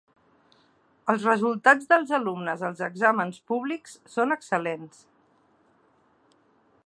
Els resultats dels alumnes als exàmens públics són excel·lents.